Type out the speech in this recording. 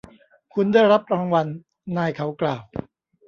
คุณได้รับรางวัลนายเขากล่าว